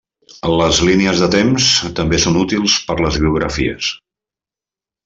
Les línies de temps també són útils per les biografies.